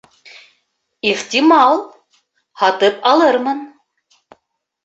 Ихтимал,... һатып алырмын